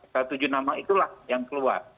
satu juta nama itulah yang keluar